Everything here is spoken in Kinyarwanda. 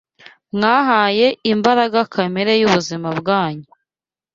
Mwahaye imbaraga kamere y’ubuzima bwanyu